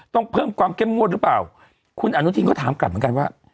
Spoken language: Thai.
ต้องเพิ่มความเข้มงวดหรือเปล่าคุณอนุทินก็ถามกลับเหมือนกันว่า